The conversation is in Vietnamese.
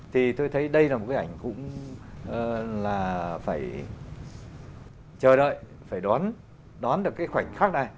thì tôi thấy đây là một cái ảnh cũng là phải chờ đợi phải đón được cái khoảnh khắc này